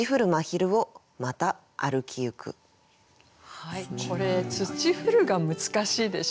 はいこれ「霾る」が難しいでしょ。